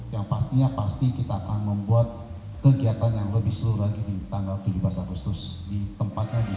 yang pastinya pasti kita akan membuat kegiatan yang lebih seluruh lagi di tanggal tujuh belas agustus di tempatnya